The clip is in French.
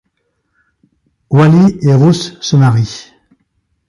Wally et Ruth se marient.